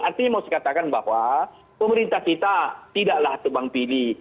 artinya mau saya katakan bahwa pemerintah kita tidaklah tebang pilih